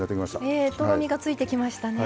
ええとろみがついてきましたね。